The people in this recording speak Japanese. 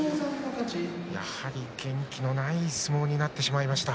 やはり元気のない相撲になってしまいました。